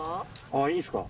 ああいいんですか？